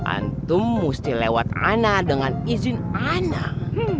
antum mesti lewat anak dengan izin anak